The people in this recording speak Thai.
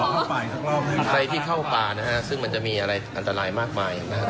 ใครที่เข้าป่านะฮะซึ่งมันจะมีอะไรอันตรายมากมายนะฮะ